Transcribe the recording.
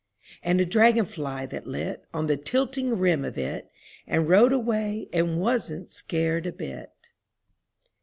And a dragon fly that lit On the tilting rim of it. And rode away and wasn't scared a bit.